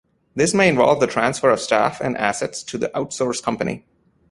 This may involve the transfer of staff and assets to the outsource company.